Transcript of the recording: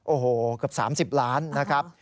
โอ้โหเกือบ๓๐ล้านนะครับ